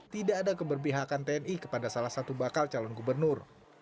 tidak ada keberpihakan tni kepada salah satu bakal calon gubernur